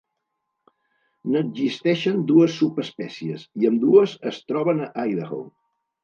N'existeixen dues subespècies, i ambdues es troben a Idaho.